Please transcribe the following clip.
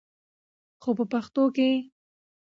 خو په پښتو کښې